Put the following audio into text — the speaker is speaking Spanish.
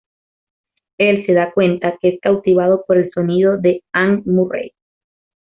Él se da cuenta que es cautivado por el sonido de Anne Murray.